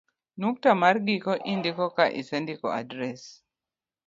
nukta mar giko indiko ka isendiko adres